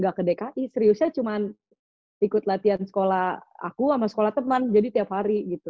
gak ke dki seriusnya cuma ikut latihan sekolah aku sama sekolah teman jadi tiap hari gitu